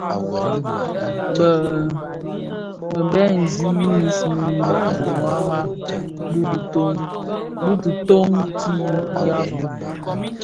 Bë bëgsi mis bi biwara bi titōň ti dyaba.